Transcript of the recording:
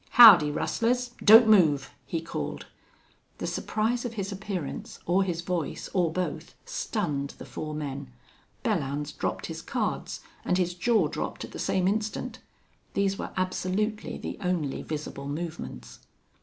"Howdy, rustlers! Don't move!" he called. The surprise of his appearance, or his voice, or both, stunned the four men. Belllounds dropped his cards, and his jaw dropped at the same instant. These were absolutely the only visible movements.